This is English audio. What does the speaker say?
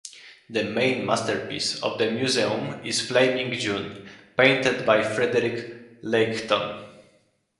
The main masterpiece of the museum is the "Flaming June", painted by Frederic Leighton.